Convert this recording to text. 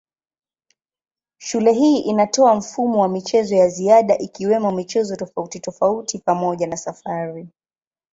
Shule hii inatoa mfumo wa michezo ya ziada ikiwemo michezo tofautitofauti pamoja na safari.